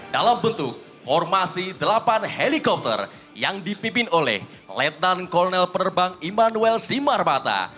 dalam bentuk formasi delapan helikopter yang dipimpin oleh letnan kolonel perbang immanuel simar mata